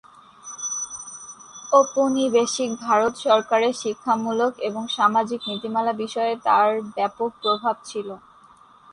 ঔপনিবেশিক ভারত সরকারের শিক্ষামূলক এবং সামাজিক নীতিমালা বিষয়ে তার ব্যাপক প্রভাব ছিল।